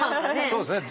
そうですね。